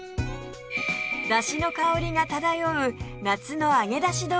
だしの香りが漂う夏の揚げ出し豆腐